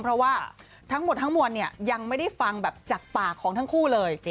เพราะว่าทั้งหมดทั้งมวลเนี่ยยังไม่ได้ฟังแบบจากปากของทั้งคู่เลย